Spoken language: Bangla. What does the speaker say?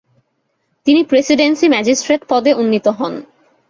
তিনি প্রেসিডেন্সী ম্যাজিস্ট্রেট পদে উন্নীত হন।